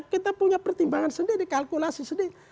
kita punya pertimbangan sendiri kalkulasi sendiri